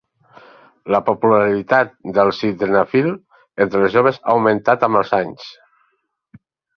La popularitat del Sildenafil entre els joves ha augmentat amb els anys.